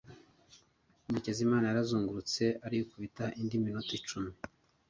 Murekezimana yarazungurutse arikubita indi minota icumi.